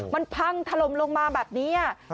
มันพังถล่มลงมาแบบนี้